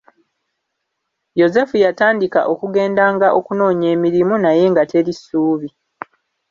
Yozefu yatandika okugendanga okunoonya emirimu naye nga teri ssuubi.